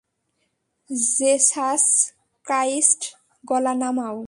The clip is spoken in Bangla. জেসাস ক্রাইস্ট, গলা নামাও।